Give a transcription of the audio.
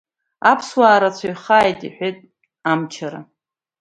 Аԥсуаа рацәаҩхааит, — иҳәеит Амчара.